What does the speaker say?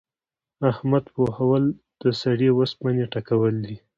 احمد پوهول؛ د سړې اوسپنې ټکول دي.